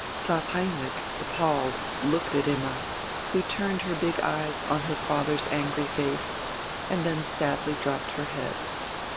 Klaus Heinrich, appalled, looked at Imma, who turned her big eyes on her father's angry face, and then sadly dropped her head.